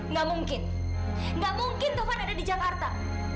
nggak mungkin nggak mungkin tuhan ada di jakarta